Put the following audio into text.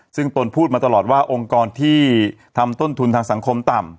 ซึ่งตนพูดมาตลอดว่าองค์กรที่ทำต้นทุนทางสังคมต่ำ